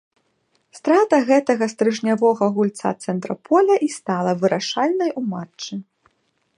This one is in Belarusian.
Страта гэтага стрыжнявога гульца цэнтра поля й стала вырашальнай у матчы.